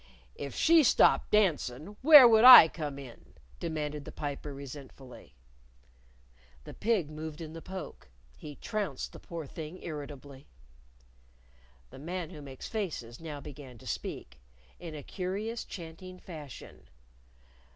"If she stopped dancin' where would I come in?" demanded the Piper, resentfully. The pig moved in the poke. He trounced the poor thing irritably. The Man Who Makes Faces now began to speak in a curious, chanting fashion.